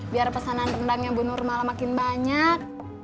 biar pesanan rendangnya bunur malah makin banyak